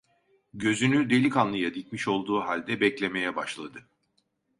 Gözünü delikanlıya dikmiş olduğu halde beklemeye başladı.